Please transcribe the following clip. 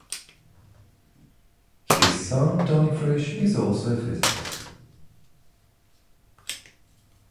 His son, Tony Frisch, is also a physicist.